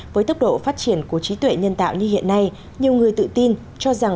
với tốc độ phát triển của trí tuệ nhân tạo như hiện nay nhiều người tự tin cho rằng